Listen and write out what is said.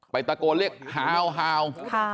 ไปตะโกนเรียกห่าวห่าว